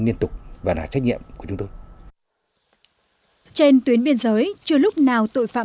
liên tục và là trách nhiệm của chúng tôi trên tuyến biên giới chưa lúc nào tội phạm